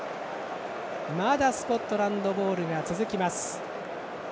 まだスコットランドボールが続きます。